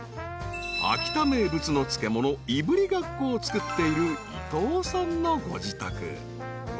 ［秋田名物の漬物いぶりがっこを作っている伊藤さんのご自宅］